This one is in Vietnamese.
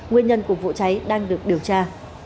nguyên nhân của vụ cháy đang được điều tra